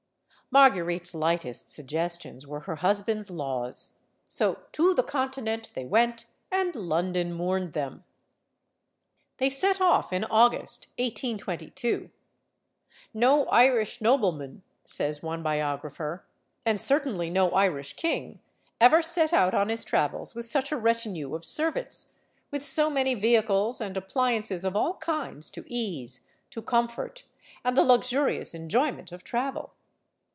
Marguerite's lightest suggestions were her husband's laws. So to the Continent they went, and London mourned them. They set off in August, 1 822. "No Irish nobleman," says one biographer, "and certainly no Irish king, ever set out on his travels with such a retinue of servants, with so many vehicles and appliances of all kinds to ease, to comfort, and the luxurious enjoyment of travel."